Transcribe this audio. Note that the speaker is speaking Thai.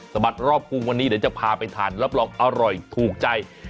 บัดรอบกรุงวันนี้เดี๋ยวจะพาไปทานรับรองอร่อยถูกใจ